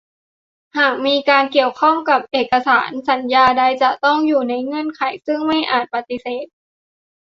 หากมีการเกี่ยวข้องกับเอกสารสัญญาใดจะต้องอยู่ในเงื่อนไขซึ่งไม่อาจปฏิเสธ